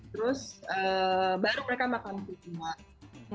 terus baru mereka makan susu basi